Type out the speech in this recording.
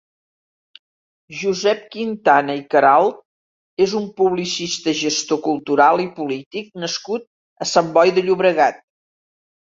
Josep Quintana i Caralt és un publicista, gestor cultural i polític nascut a Sant Boi de Llobregat.